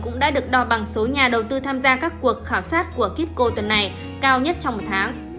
cũng đã được đo bằng số nhà đầu tư tham gia các cuộc khảo sát của kitco tuần này cao nhất trong một tháng